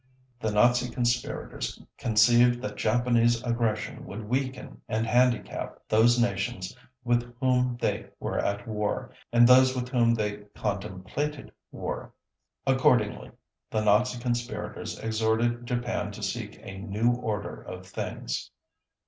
The Nazi conspirators conceived that Japanese aggression would weaken and handicap those nations with whom they were at war, and those with whom they contemplated war. Accordingly, the Nazi conspirators exhorted Japan to seek "a new order of things."